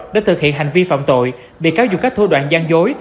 đã thực hiện hành vi phạm tội bị cáo dụng các thua đoạn gian dối